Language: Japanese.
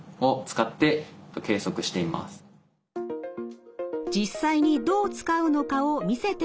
実際にどう使うのかを見せてもらいました。